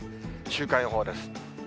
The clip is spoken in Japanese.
週間予報です。